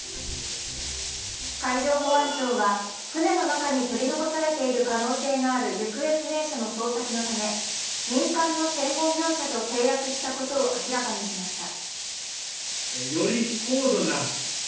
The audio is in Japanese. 海上保安庁は船の中に取り残されている可能性がある行方不明者の捜索のため民間の専門会社と契約したことを明らかにしました。